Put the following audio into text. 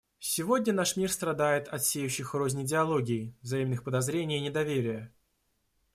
Сегодня наш мир страдает от сеющих рознь идеологий, взаимных подозрений и недоверия.